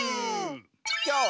きょうは。